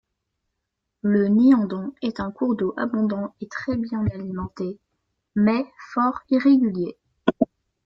Le Niandan est un cours d'eau abondant et très bien alimenté, mais fort irrégulier.